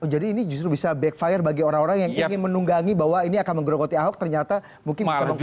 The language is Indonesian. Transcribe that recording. jadi ini justru bisa backfire bagi orang orang yang ingin menunggangi bahwa ini akan menggerogoti ahok ternyata mungkin bisa mengkonsolidasi